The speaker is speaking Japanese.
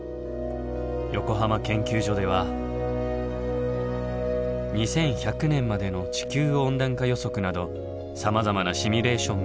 横浜研究所では２１００年までの地球温暖化予測などさまざまなシミュレーションが行われています。